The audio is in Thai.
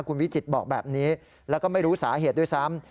คุณวิจิตบอกแบบนี้แล้วก็ไม่รู้สาเหตุด้วยซ้ำ